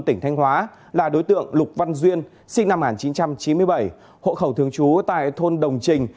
tỉnh thanh hóa là đối tượng lục văn duyên sinh năm một nghìn chín trăm chín mươi bảy hộ khẩu thường trú tại thôn đồng trình